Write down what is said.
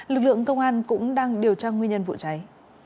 lực lượng công an cũng đang điều tra nguyên nhân vụ cháy